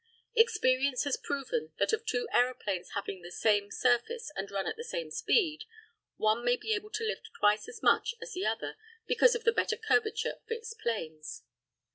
Experience has proven that of two aeroplanes having the same surface and run at the same speed, one may be able to lift twice as much as the other because of the better curvature of its planes.